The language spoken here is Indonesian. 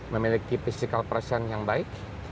memiliki physical present yang baik